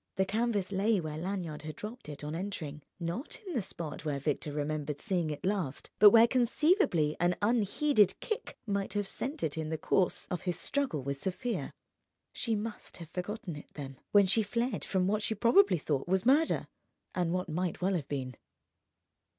The canvas lay where Lanyard had dropped it on entering, not in the spot where Victor remembered seeing it last, but where conceivably an unheeded kick might have sent it in the course of his struggle with Sofia. She must have forgotten it, then, when she fled from what she probably thought was murder, and what might well have been.